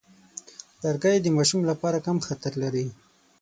لرګی د ماشوم لپاره کم خطر لري.